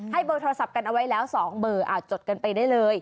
เบอร์โทรศัพท์กันเอาไว้แล้ว๒เบอร์จดกันไปได้เลย